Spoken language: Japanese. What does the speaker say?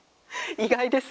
意外です。